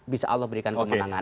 bisa allah berikan kemenangan